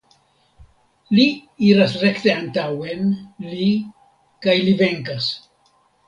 Li iras rekte antaŭen, li, kaj li venkas!